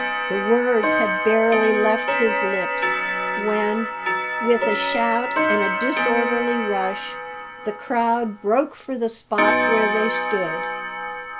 The words had barely left his lips when, with a shout and a disorderly rush, the crowd broke for the spot where they stood.